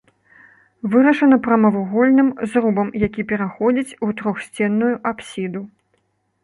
Вырашана прамавугольным зрубам, які пераходзіць у трохсценную апсіду.